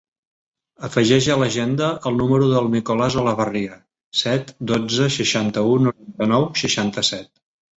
Afegeix a l'agenda el número del Nicolàs Olabarria: set, dotze, seixanta-u, noranta-nou, seixanta-set.